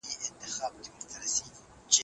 مطالعه د ماشوم د ذهن قوت زیاتوي.